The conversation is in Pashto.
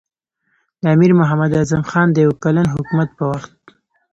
د امیر محمد اعظم خان د یو کلن حکومت په وخت.